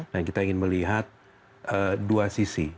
dan kita ingin melihat dua sisi